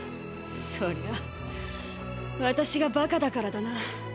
そりゃ私が馬鹿だからだな。